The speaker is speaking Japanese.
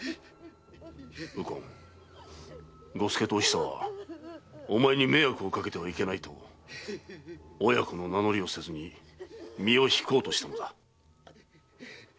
右近伍助とおひさはお前に迷惑をかけてはいけないと親子の名乗りをせずに身を引こうとしたのだ。